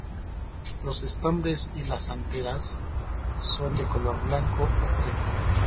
Los estambres y las anteras son de color blanco o crema.